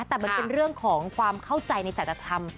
แต่มันเป็นเรื่องของความเข้าใจในจัตธรรม